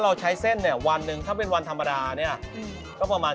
และพวกไส้ต่างหรือหมูอะไรหรือชัยเยอะแค่ไหน